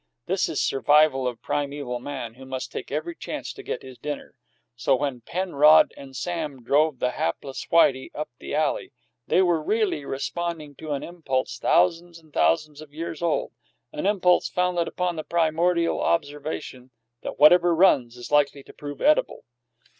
This is a survival of primeval man, who must take every chance to get his dinner. So, when Penrod and Sam drove the hapless Whitey up the alley, they were really responding to an impulse thousands and thousands of years old an impulse founded upon the primordial observation that whatever runs is likely to prove edible.